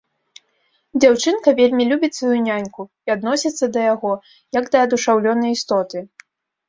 Дзяўчынка вельмі любіць сваю няньку і адносіцца да яго як да адушаўлёнай істоты.